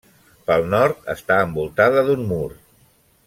Pel nord està envoltada d'un mur.